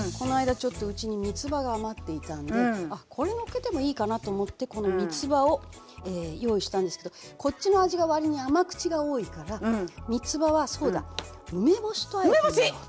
ちょっとうちにみつばが余っていたんであこれのっけてもいいかなと思ってこのみつばを用意したんですけどこっちの味が割に甘口が多いからみつばはそうだ梅干しとあえてみようと。